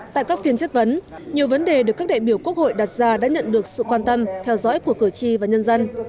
tại các phiên chất vấn nhiều vấn đề được các đại biểu quốc hội đặt ra đã nhận được sự quan tâm theo dõi của cử tri và nhân dân